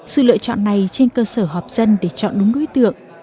sự lựa chọn này trên cơ sở họp dân để chọn đúng đối tượng